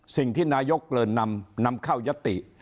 สิ่งที่นายกเกินนำเข้ายติ